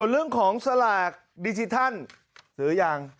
เรื่องของสลากดิจิทัลซื้อยัง